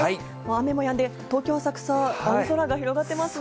雨もやんで、東京・浅草、青空が広がってますね。